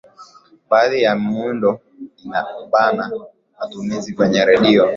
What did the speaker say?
baadhi ya miundo inabana matumizi kwenye redio